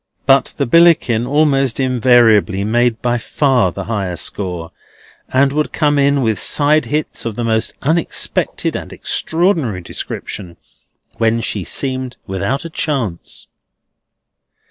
But the Billickin almost invariably made by far the higher score; and would come in with side hits of the most unexpected and extraordinary description, when she seemed without a chance.